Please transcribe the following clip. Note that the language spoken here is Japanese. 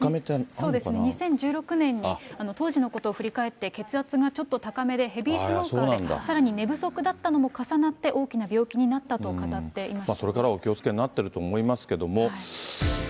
そうですね、２０１６年に、当時のことを振り返って、血圧がちょっと高めで、ヘビースモーカーで、さらに寝不足だったのも重なって、大きな病気になったと語っていました。